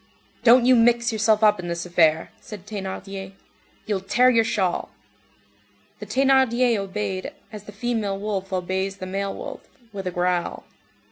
"Don't you mix yourself up in this affair," said Thénardier. "You'll tear your shawl." The Thénardier obeyed, as the female wolf obeys the male wolf, with a growl.